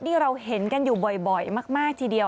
ที่เราเห็นกันอยู่บ่อยมากทีเดียว